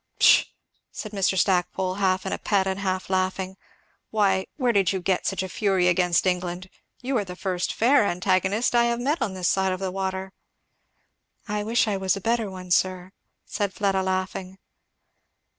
"Pshaw!" said Mr. Stackpole, half in a pet and half laughing, "why, where did you get such a fury against England? you are the first fair antagonist I have met on this side of the water." "I wish I was a better one, sir," said Fleda laughing.